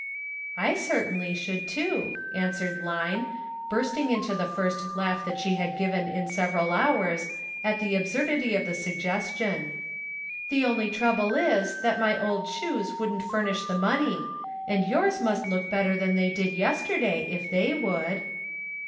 "I certainly should, too," answered Line, DISAPPOINTMENT. 13 bursting into the first laugh that she had given in several hours at the absurdity of the sug gestion. "The only trouble is that my old shoes wouldn't furnish the money ; and yours must look better than they did yesterday, if they would."